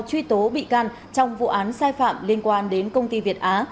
truy tố bị can trong vụ án sai phạm liên quan đến công ty việt á